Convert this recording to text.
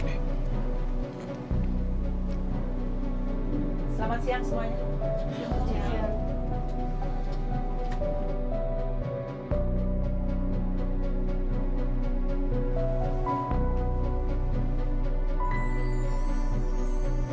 selamat siang semuanya